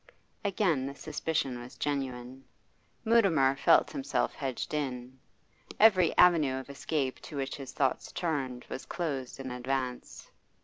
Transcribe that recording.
Again the suspicion was genuine. Mutimer felt himself hedged in; every avenue of escape to which his thoughts turned was closed in advance.